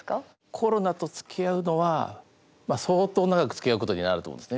コロナとつきあうのは相当長くつきあうことになると思うんですね。